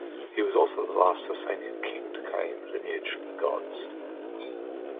He was also the last Sasanian king to claim lineage from the gods.